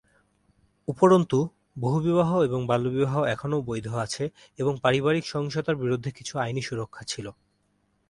উপরন্তু, বহুবিবাহ এবং বাল্যবিবাহ এখনও বৈধ আছে এবং পারিবারিক সহিংসতার বিরুদ্ধে কিছু আইনি সুরক্ষা ছিল।